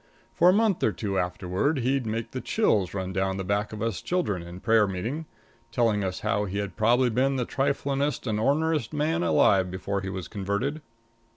For a month or two afterward, he'd make the chills run down the backs of us children in prayer meeting, telling how he had probably been the triflingest and orneriest man alive before he was converted.